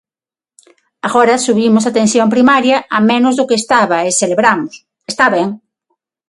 Agora subimos a atención primaria a menos do que estaba e celebramos; está ben.